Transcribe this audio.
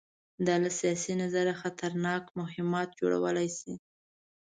دا له سیاسي نظره خطرناک مهمات جوړولی شي.